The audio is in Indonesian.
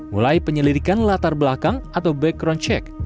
mulai penyelidikan latar belakang atau background check